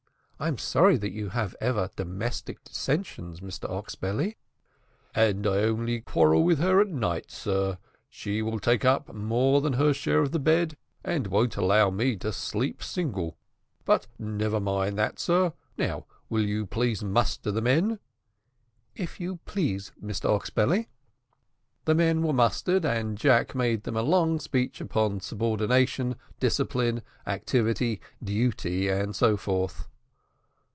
"I am sorry that you have ever domestic dissensions, Mr Oxbelly." "And I only quarrel with her at night, sir. She will take up more than her share of the bed, and won't allow me to sleep single; but never mind that, sir; now will you please to muster the men?" "If you please, Mr Oxbelly." The men were mustered, and Jack made them a long speech upon subordination, discipline, activity, duty, and so forth.